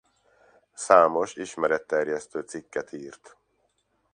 Számos ismeretterjesztő cikket írt.